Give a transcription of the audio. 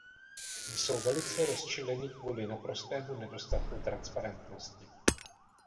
Jsou velice rozčileni kvůli naprostému nedostatku transparentnosti.